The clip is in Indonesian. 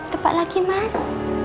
tepat lagi mas